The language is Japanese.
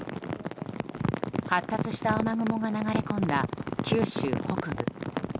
発達した雨雲が流れ込んだ九州北部。